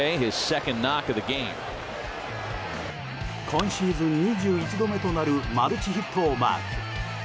今シーズン２１度目となるマルチヒットをマーク。